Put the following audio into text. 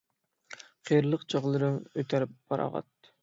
قېرىلىق چاغلىرىڭ ئۆتەر پاراغەت